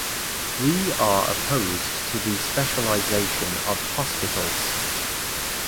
We are opposed to the specialization of hospitals.